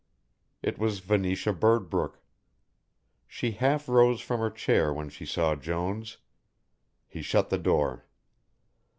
It was Venetia Birdbrook. She half rose from her chair when she saw Jones. He shut the door.